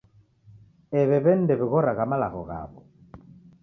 Ew'e w'eni ndewighoragha malagho ghaw'o.